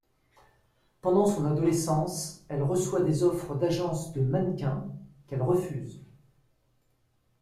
Pendant son adolescence elle reçoit des offres d'agences de mannequins qu'elle refuse.